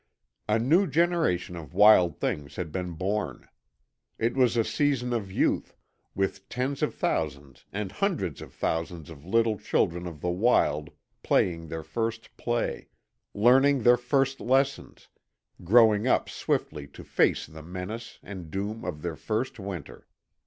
A new generation of wild things had been born. It was a season of Youth, with tens of thousands and hundreds of thousands of little children of the wild playing their first play, learning their first lessons, growing up swiftly to face the menace and doom of their first winter.